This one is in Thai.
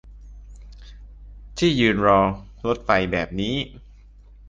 ที่ยืนรอรถไฟแบบนี้